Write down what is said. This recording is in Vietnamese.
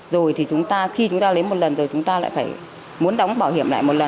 rồi thì khi chúng ta lấy một lần rồi chúng ta lại phải muốn đóng bảo hiểm lại một lần